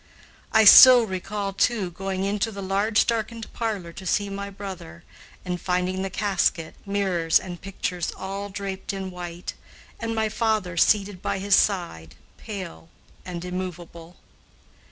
I still recall, too, going into the large darkened parlor to see my brother, and finding the casket, mirrors, and pictures all draped in white, and my father seated by his side, pale and immovable.